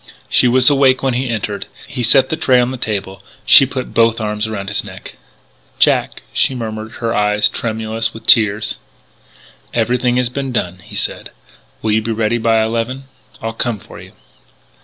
She was awake when he entered. He set the tray on the table. She put both arms around his neck. "Jack," she murmured, her eyes tremulous with tears. "Everything has been done," he said. "Will you be ready by eleven? I'll come for you."